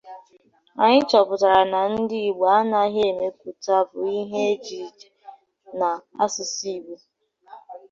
anyị chọpụtara na ndị Igbo anaghị emepụtabụ ihe ejije n'asụsụ Igbo